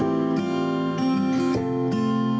บ๊าบ